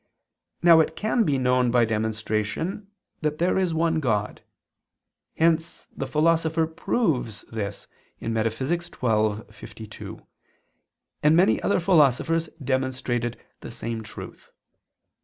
Now it can be known by demonstration that there is one God; hence the Philosopher proves this (Metaph. xii, text. 52) and many other philosophers demonstrated the same truth.